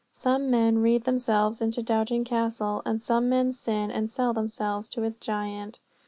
Some men read themselves into Doubting Castle, and some men sin and sell themselves to its giant.